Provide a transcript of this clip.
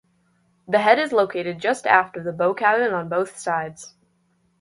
The head is located just aft of the bow cabin on both sides.